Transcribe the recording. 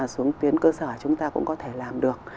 xuống tuyến cơ sở chúng ta cũng có thể làm được